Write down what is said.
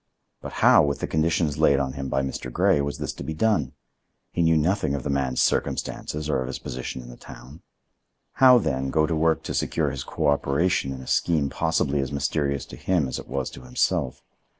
But how, with the conditions laid on him by Mr. Grey, was this to be done? He knew nothing of the man's circumstances or of his position in the town. How, then, go to work to secure his cooperation in a scheme possibly as mysterious to him as it was to himself?